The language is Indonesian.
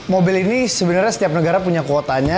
mobil ini sebenarnya setiap negara punya kuotanya